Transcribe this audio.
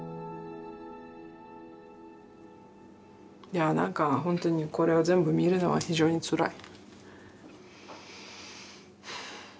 いやぁなんか本当にこれを全部見るのは非常につらい。